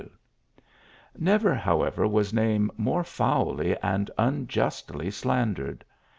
Never, however, was name more foully and un justly slandered.